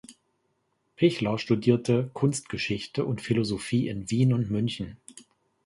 Pichler studierte Kunstgeschichte und Philosophie in Wien und München.